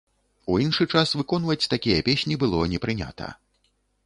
У іншы час выконваць такія песні было не прынята.